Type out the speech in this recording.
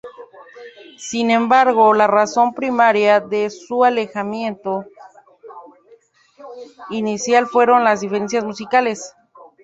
Sin embargo, la razón primaria de su alejamiento inicial fueron las diferencias musicales.